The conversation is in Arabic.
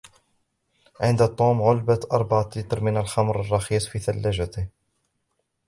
عند توم علبة أربعة لتر من الخمر الرخيص في ثلاجته